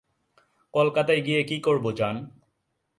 কলকাতায় গিয়ে কী করব জান।